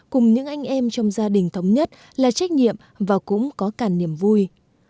cùng những anh em trong gia đình thống nhất là trách nhiệm và cũng có cả niềm vui